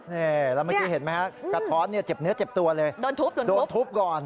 แล้วเมื่อกี้เห็นไหมคะกะท้อนเนี่ยเจ็บเนื้อเจ็บตัวเลยโดนทุบก่อน